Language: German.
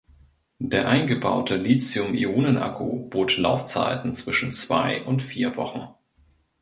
Der eingebaute Lithium-Ionen-Akku bot Laufzeiten zwischen zwei und vier Wochen.